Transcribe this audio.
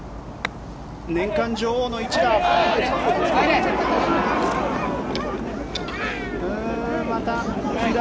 年間女王の一打。